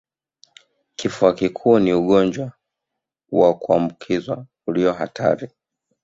Kifua kikuu ni ugonjwa wa kuambukizwa ulio hatari